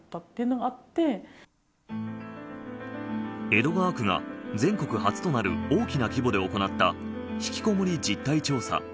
江戸川区が全国初となる大きな規模で行ったひきこもり実態調査。